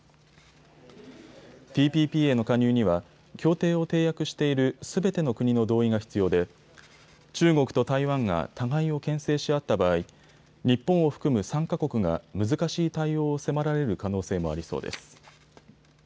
ＴＰＰへの加入には協定を締約しているすべての国の同意が必要で中国と台湾が互いをけん制し合った場合、日本を含む参加国が難しい対応を迫られる可能性もありそうです。